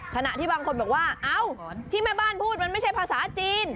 ขณะที่บางคนบอกว่าเอ้าที่แม่บ้านพูดมันไม่ใช่ภาษาจีน